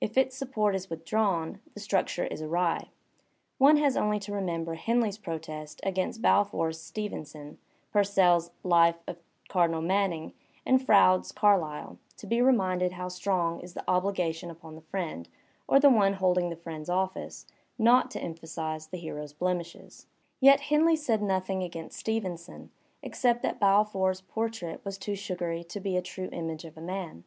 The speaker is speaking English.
If its support is withdrawn, the structure is awry. One has only to remem ber Henley's protest against Balfour's Stevenson, Purcell's life of Cardinal Manning, and Fronde's Carlyle, to be re minded how strong is the obligation upon the friend, or the one holding the friend's office, not to emphasize the hero's blemishes. Digitized by Google POE 141 Yet Henley said nothing against Stevenson except that Balfour's portrait was too sugary to be a true image of a man.